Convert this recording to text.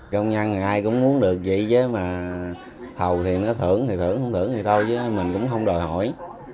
công nhân thì ai cũng muốn được vậy chứ mà thầu thì nó thưởng thì thưởng không thưởng thì thôi chứ mình cũng không đòi hỏi